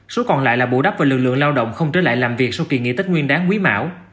số còn lại là bù đắp và lực lượng lao động không trở lại làm việc sau kỳ nghỉ tết nguyên đáng quý mão